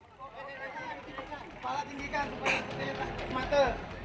kepala tinggikan kepala tinggikan mata